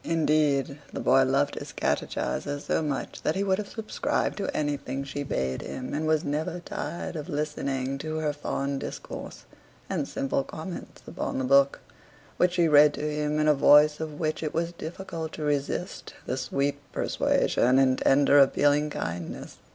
Indeed, the boy loved his catechiser so much that he would have subscribed to anything she bade him, and was never tired of listening to her fond discourse and simple comments upon the book, which she read to him in a voice of which it was difficult to resist the sweet persuasion and tender appealing kindness.